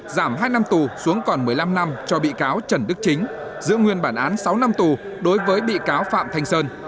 giảm hai năm tù xuống còn một mươi năm năm cho bị cáo trần đức chính giữ nguyên bản án sáu năm tù đối với bị cáo phạm thanh sơn